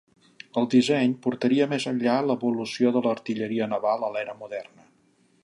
El disseny portaria més enllà l'evolució de l'artilleria naval a l'era moderna.